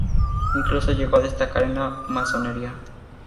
Incluso llegó a destacar en la masonería.